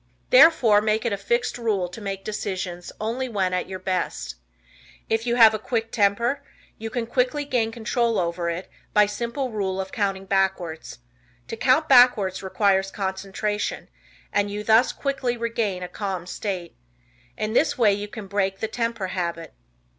Therefore make it a fixed rule to make decisions only when at your best. If you have a "quick temper," you can quickly gain control over it by simple rule of counting backwards. To count backwards requires concentration, and you thus quickly regain a calm state. In this way you can break the "temper habit."